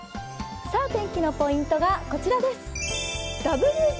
天気のポイントがこちらです